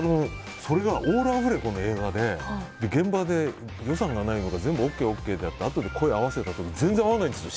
それがオールアフレコの映画で現場で、予算がないのが全部ＯＫＯＫってあとで声を合わせた時に全然合わないんですよ。